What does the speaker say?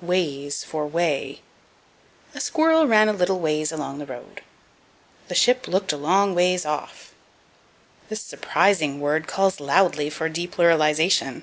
Ways for Way. "A squirrel ran a little ways along the road." "The ship looked a long ways off." This surprising word calls loudly for depluralization.